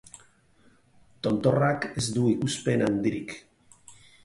Tontorrak ez du ikuspen handirik.